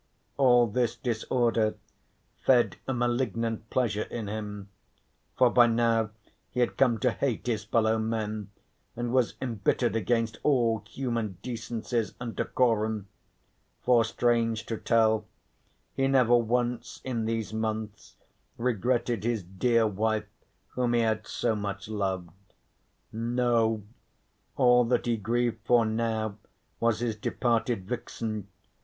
All this disorder fed a malignant pleasure in him. For by now he had come to hate his fellow men and was embittered against all human decencies and decorum. For strange to tell he never once in these months regretted his dear wife whom he had so much loved. No, all that he grieved for now was his departed vixen.